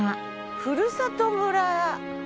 「ふるさと村」。